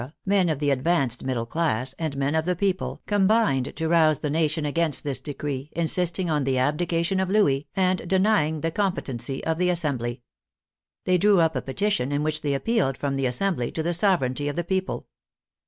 men of the advanced middle class, and men of the people, combined to rouse the nation against this decree, insist ing on the abdication of Louis, and denying the compe tency of the Assembly. They drew up a petition in which they appealed from the Assembly to the sovereignty of the people.